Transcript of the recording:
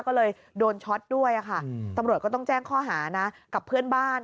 ก็เลยโดนช็อตด้วยค่ะตำรวจก็ต้องแจ้งข้อหานะกับเพื่อนบ้าน